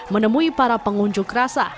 menemui para pengunjung